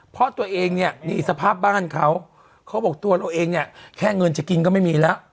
เพราะตัวเองหนีสภาพบ้านเขาแส่เงินจะกินก็ไม่มีแล้ว